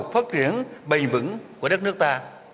phát triển bày vững của đất nước ta